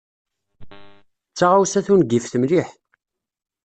D taɣawsa tungift mliḥ.